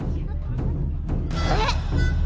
えっ？